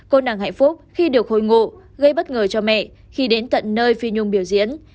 cô nàng hạnh phúc khi được hồi ngộ gây bất ngờ cho mẹ khi đến tận nơi phi nhung biểu diễn